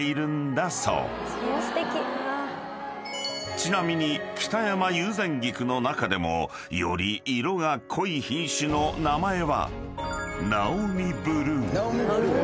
［ちなみに北山友禅菊の中でもより色が濃い品種の名前は］